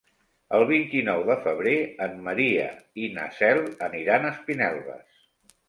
El vint-i-nou de febrer en Maria i na Cel aniran a Espinelves.